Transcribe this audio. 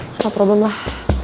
gak ada masalah lah